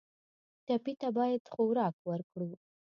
ټپي ته باید خوراک ورکړو.